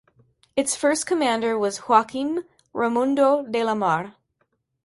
Its first commander was Joaquim Raimundo de Lamare.